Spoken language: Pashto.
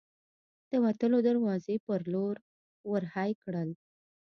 د وتلو دروازې په لور ور هۍ کړل.